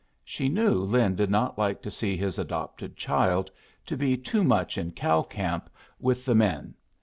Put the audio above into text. She knew Lin did not like his adopted child to be too much in cow camp with the men.